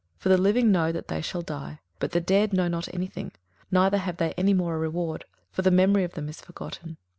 21:009:005 For the living know that they shall die: but the dead know not any thing, neither have they any more a reward; for the memory of them is forgotten.